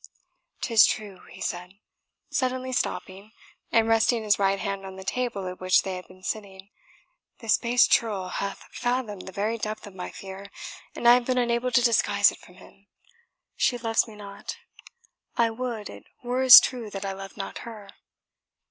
"'Tis true," he said, suddenly stopping, and resting his right hand on the table at which they had been sitting, "this base churl hath fathomed the very depth of my fear, and I have been unable to disguise it from him. She loves me not I would it were as true that I loved not her!